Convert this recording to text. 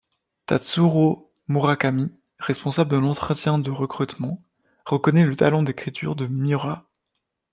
Tatsurō Murakami, responsable de l'entretien de recrutement, reconnaît le talent d'écriture de Miura.